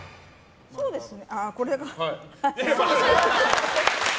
そうですね。